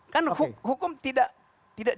kan hukum tidak